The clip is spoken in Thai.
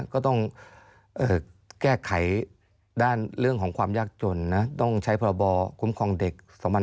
ก็ต้องแก้ไขด้านเรื่องของความยากจนนะต้องใช้พรบคุ้มครองเด็ก๒๕๖๒